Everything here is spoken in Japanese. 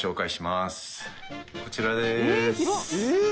こちらです。